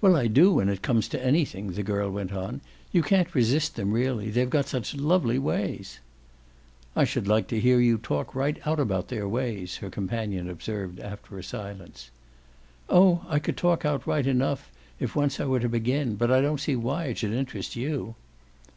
"Well, I do, when it comes to anything," the girl went on. "You can't resist them really; they've got such lovely ways." "I should like to hear you talk right out about their ways," her companion observed after a silence. "Oh I could talk out right enough if once I were to begin. But I don't see why it should interest you."